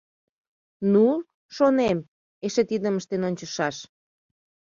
Ну, шонем, эше тидым ыштен ончышаш.